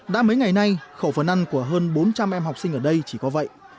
đã mấy ngày nay khẩu phần ăn của hơn bốn trăm linh em học sinh ở đây chỉ có vậy